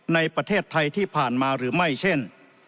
ในประเทศไทยที่ผ่านมาหรือไม่เช่น